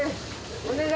お願い！